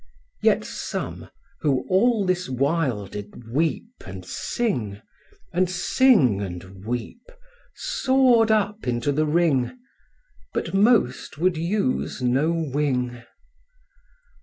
4. Yet some, who all this while did weep and sing, And sing, and weep, soar'd up into the Ring, But most would use no wing.